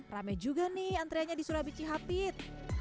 rame juga nih antreanya di surabici hapit